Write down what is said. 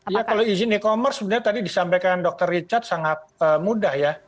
ya kalau izin e commerce sebenarnya tadi disampaikan dr richard sangat mudah ya